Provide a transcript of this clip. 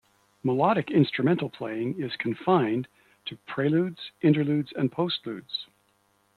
Melodic instrumental playing is confined to preludes, interludes and postludes.